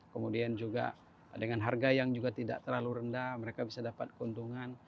kemudian juga dengan harga yang juga tidak terlalu rendah mereka bisa dapat keuntungan